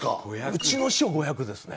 うちの師匠５００ですね。